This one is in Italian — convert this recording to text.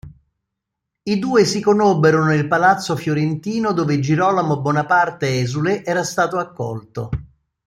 I due si conobbero nel palazzo fiorentino dove Girolamo Bonaparte esule era stato accolto.